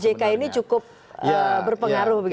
jadi pak jk ini cukup berpengaruh begitu ya